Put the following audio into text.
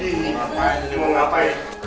ini mau ngapain ini mau ngapain